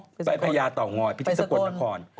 อ๋อไปพระยาเตางอยพิธีสกลมาก่อน